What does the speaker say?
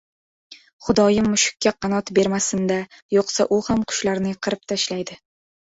• Xudoyim mushukkka qanot bermasin-da ― yo‘qsa u hamma qushlarni qirib tashlaydi.